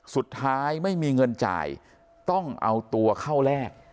ไม่มีเงินจ่ายต้องเอาตัวเข้าแลก